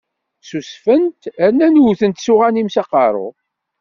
Ssusfen-t, rnan wwten-t s uɣanim s aqerru.